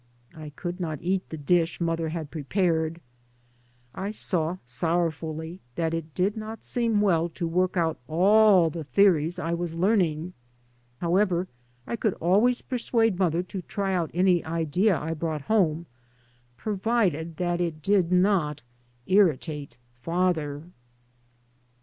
I could not eat the dish mother had prepared. I saw sorrowfully that it did not seem well to [So] 3 by Google MY MOTHER AND I work out all the theories I was learning. However, I could always persuade mother to try out any idea I brought home, provided that it did not " irritate father."